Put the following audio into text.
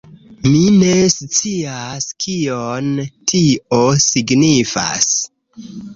Mi ne scias kion tio signifas...